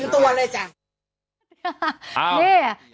เต็มตัวเลยจ้ะ